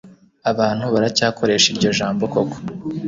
abantu baracyakoresha iryo jambo koko